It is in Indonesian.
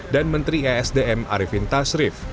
dan menteri esdm arifin tasrif